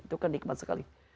itu kan nikmat sekali